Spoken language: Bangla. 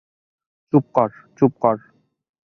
চুপ কর, চুপ কর।